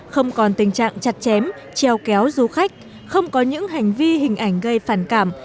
không còn tình trạng chặt chém treo kéo du khách không có những hành vi hình ảnh gây phản cảm